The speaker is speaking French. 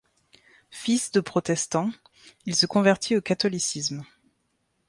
Fils de protestants, il se convertit au catholicisme.